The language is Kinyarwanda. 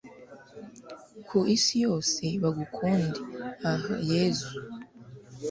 ku isi yose bagukunde, ah yezu